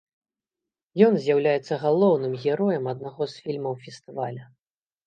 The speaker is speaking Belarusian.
Ён з'яўляецца галоўным героем аднаго з фільмаў фестываля.